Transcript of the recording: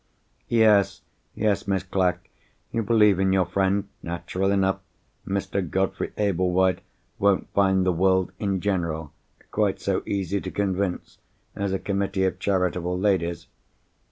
"Yes, yes, Miss Clack—you believe in your friend. Natural enough. Mr. Godfrey Ablewhite, won't find the world in general quite so easy to convince as a committee of charitable ladies.